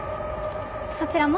そちらも？